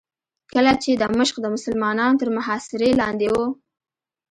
کله چې دمشق د مسلمانانو تر محاصرې لاندې و.